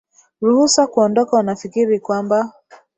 ruhusu kuondoka unafikiri kwamba